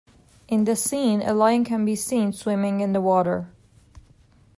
In the scene, a lion can be seen swimming in the water.